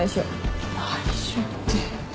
内緒って。